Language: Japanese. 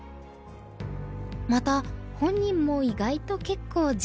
また本人も意外と結構自由でした。